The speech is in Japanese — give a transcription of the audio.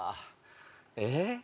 えっ？